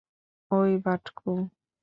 ঐ, বাটকু।